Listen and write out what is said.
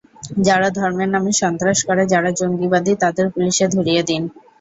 যারা ধর্মের নামে সন্ত্রাস করে, যারা জঙ্গিবাদী, তাদের পুলিশে ধরিয়ে দিন।